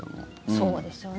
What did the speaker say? そうですよね。